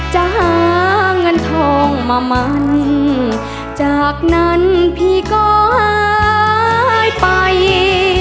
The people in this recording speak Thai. จะหาเงินทองมามันจากนั้นพี่ก็หายไป